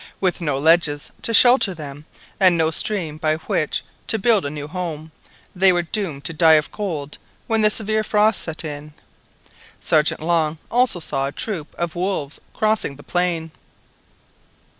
With no ledges to shelter them, and no stream by which to build a new home, they were doomed to die of cold when the severe frost set in. Sergeant Long also saw a troop of wolves crossing the plain.